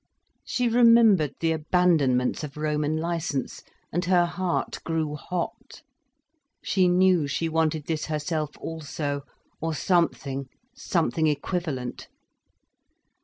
She remembered the abandonments of Roman licence, and her heart grew hot. She knew she wanted this herself also—or something, something equivalent.